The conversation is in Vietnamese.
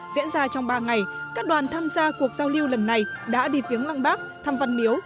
diễn ra trong ba ngày các đoàn tham gia cuộc giao lưu lần này đã đi viếng lăng bác thăm văn miếu